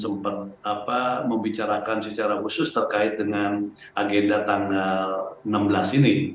sempat membicarakan secara khusus terkait dengan agenda tanggal enam belas ini